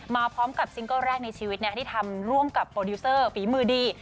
มาพร้อมกับซิงเกิ้ลแรกในชีวิตที่ทำร่วมกับโปรดิวเซอร์ฝีมือดี